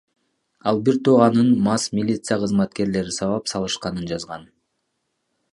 Ал бир тууганын мас милиция кызматкерлери сабап салышканын жазган.